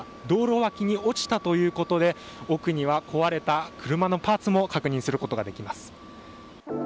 道路脇に落ちたということで奥には壊れた車のパーツも確認することができます。